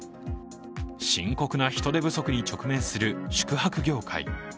深刻な人手不足に直面する宿泊業界。